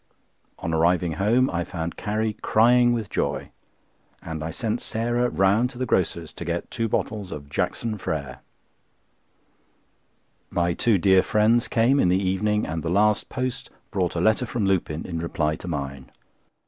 On arriving home I found Carrie crying with joy, and I sent Sarah round to the grocer's to get two bottles of "Jackson Frères." My two dear friends came in the evening, and the last post brought a letter from Lupin in reply to mine.